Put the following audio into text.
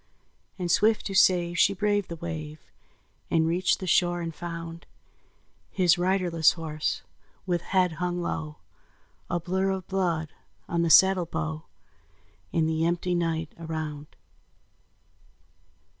And swift to save she braved the wave, And reached the shore and found His riderless horse, with head hung low, A blur of blood on the saddle bow, And the empty night around.